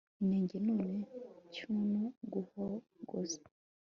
inenge, none cyono guhogoza